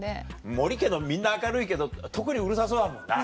森家のみんな明るいけど特にうるさそうだもんな。